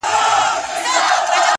د رمز خبره يې د سونډو په موسکا کي نسته~